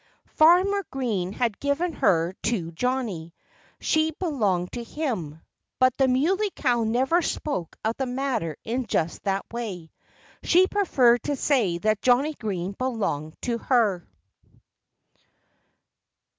Farmer Green had given her to Johnnie. She belonged to him. But the Muley Cow never spoke of the matter in just that way. She preferred to say that Johnnie Green belonged to her.